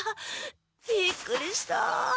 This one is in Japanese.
びっくりした！